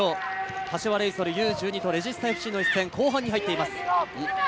柏レイソルＵー１２とレジスタＦＣの一戦、後半に入っています。